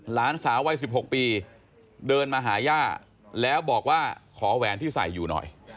หลานสาววัย๑๖ปีเดินมาหาย่าแล้วบอกว่าขอแหวนที่ใส่อยู่หน่อย